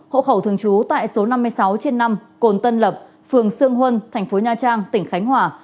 hộ khẩu thường trú tại số năm mươi sáu trên năm cồn tân lập phường sương huân thành phố nha trang tỉnh khánh hòa